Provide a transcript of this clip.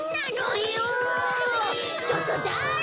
ちょっとだれ？